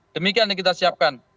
demikian yang kita siapkan